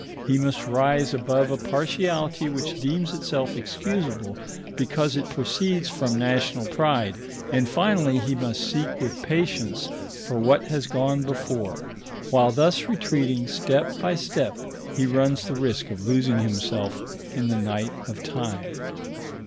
He must rise above a partiality which deems itself excusable because it proceeds from national pride; and, finally, he must seek with patience for what has gone before. While thus retreating step by step he runs the risk of losing himself in the night of time.